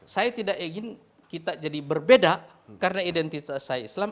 saya tidak ingin kita jadi berbeda karena identitas saya islam